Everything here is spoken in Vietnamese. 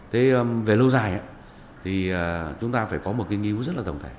thế về lâu dài thì chúng ta phải có một cái nghi vấn rất là tổng thể